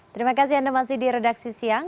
terima kasih anda masih di redaksi siang